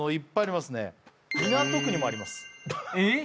港区にもありますえっ？